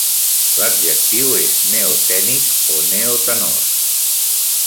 L'adjectiu és "neotènic" o "neotenós".